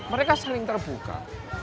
mereka sering terbuka